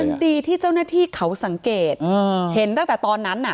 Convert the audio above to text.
มันดีที่เจ้าหน้าที่เขาสังเกตเห็นตั้งแต่ตอนนั้นน่ะ